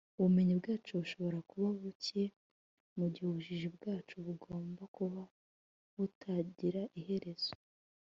ubumenyi bwacu bushobora kuba buke, mu gihe ubujiji bwacu bugomba kuba butagira iherezo